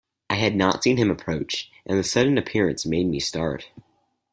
I had not seen him approach, and the sudden appearance made me start.